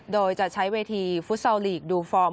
โดยจะใช้เวทีฟุตซอลลีกดูฟอร์ม